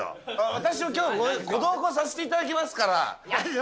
私もきょう、ご同行させていただきますから。